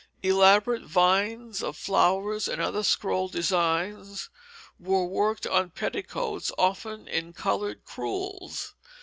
Elaborate vines of flowers and other scroll designs were worked on petticoats, often in colored crewels.